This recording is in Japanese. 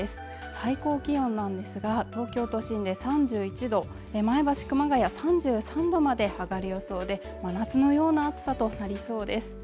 最高気温なんですが、東京都心で３１度前橋、熊谷３３℃まで上がる予想で、真夏のような暑さとなりそうです。